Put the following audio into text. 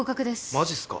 マジっすか！？